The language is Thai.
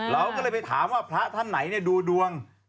เราก็เลยไปถามว่าพระท่านไหนดูดวง